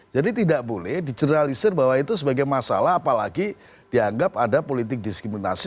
jadi tidak boleh diceralisir bahwa itu sebagai masalah apalagi dianggap ada politik diskriminasi